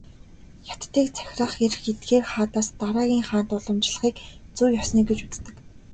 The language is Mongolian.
Хятадыг захирах эрх эдгээр хаадаас дараагийн хаанд уламжлахыг "зүй ёсны" гэж үздэг.